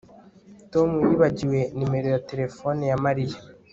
Tom yibagiwe nimero ya terefone ya Mariya